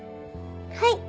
はい。